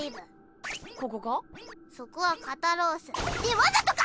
そこは肩ロース。ってわざとか！